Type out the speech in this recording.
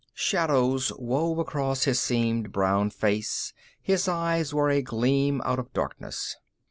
Shadows wove across his seamed brown face, his eyes were a gleam out of darkness.